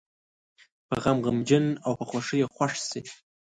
په غم غمجن او په خوښۍ یې خوښ شي.